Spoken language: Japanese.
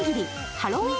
ハロウィーン